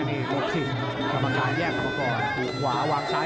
เป็นคุณภูมิเก่ลงที่มา